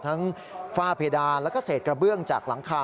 ฝ้าเพดานแล้วก็เศษกระเบื้องจากหลังคา